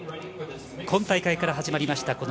今大会から始まりました